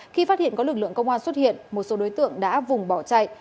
khi phát hiện có lực lượng công an xuất hiện một số đối tượng đã vùng bỏ chạy